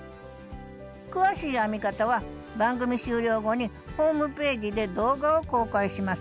詳しい編み方は番組終了後にホームページで動画を公開します。